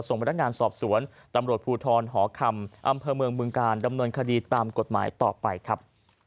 พนักงานสอบสวนตำรวจภูทรหอคำอำเภอเมืองบึงการดำเนินคดีตามกฎหมายต่อไปครับ